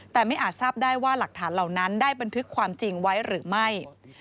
แต่ไม่อาจทราบได้ว่าหลักฐานเหล่านั้นได้บันทึกความจริงไว้หรือไม่